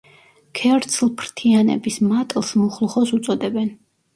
ქერცლფრთიანების მატლს მუხლუხოს უწოდებენ.